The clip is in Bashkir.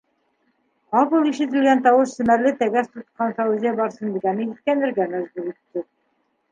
- Ҡапыл ишетелгән тауыш семәрле тәгәс тотҡан Фәүзиә-Барсынбикәне һиҫкәнергә мәжбүр итте.